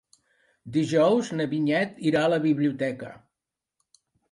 Dijous na Vinyet irà a la biblioteca.